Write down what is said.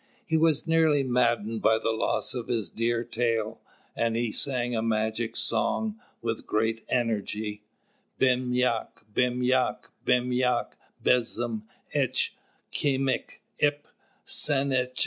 He was nearly maddened by the loss of his dear tail, and he sang a magic song with great energy: "Bem yak, bem yak, bem yak bes'm etch kīmek ipp Sānetch."